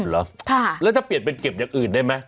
เหรอแล้วจะเปลี่ยนเป็นเก็บอย่างอื่นได้ไหม